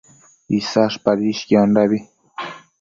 Isash padishquiondabi